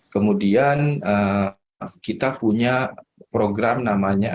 kemudian kita punya program namanya